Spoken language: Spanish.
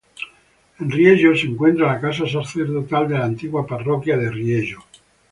En Riello se encuentra la casa sacerdotal de la antigua parroquia de Riello.